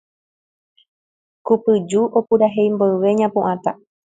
Kupyju opurahéi mboyve ñapu'ãta